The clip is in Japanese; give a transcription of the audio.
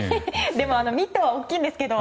でもミットは大きいんですけど。